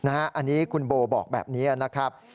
อันนี้คุณโบบอกแบบนี้นะครับ